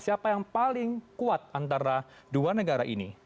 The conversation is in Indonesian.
siapa yang paling kuat antara dua negara ini